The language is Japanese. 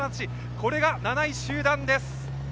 これが７位集団です。